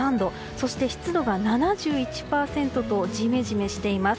そして、湿度が７１％とジメジメしています。